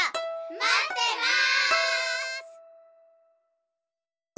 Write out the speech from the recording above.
まってます！